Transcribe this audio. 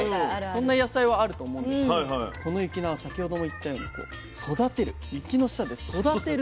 そんな野菜はあると思うんですけどこの雪菜は先ほども言ったように雪の下で育てるという珍しい。